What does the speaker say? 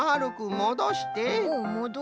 もどして。